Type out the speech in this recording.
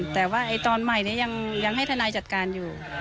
แต่ว่าตอนใหม่นี้ยังให้ทนายจัดการอยู่